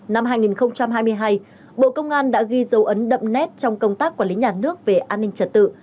năm hai nghìn hai mươi hai bộ công an đã ghi dấu ấn đậm nét trong công tác quản lý nhà nước về an ninh trật tự